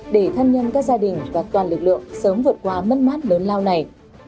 để thân nhân các gia đình và toàn lực lượng sớm vượt qua mất mát lớn lao này